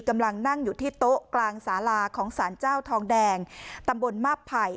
กำลังนั่งอยู่ที่โต๊ะกลางสาลาของสารเจ้าทองแดงตำบลมาบไผ่